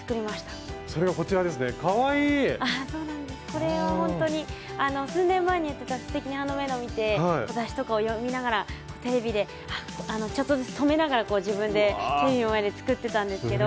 これはほんとに数年前にやってた「すてきにハンドメイド」を見て雑誌とかを読みながらテレビでちょっとずつ止めながら自分でテレビの前で作ってたんですけど。